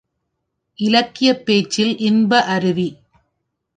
இலக்கியப் பேச்சில் இன்ப அருவி!